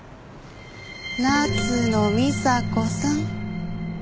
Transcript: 夏野美紗子さん。